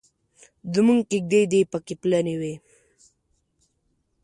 زموږ کېږدۍ دې پکې پلنې وي.